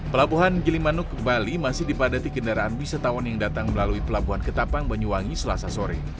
pelabuhan gilimanuk bali masih dipadati kendaraan wisatawan yang datang melalui pelabuhan ketapang banyuwangi selasa sore